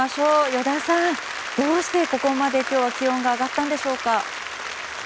依田さん、どうしてここまで今日は気温が上がったのでしょうか。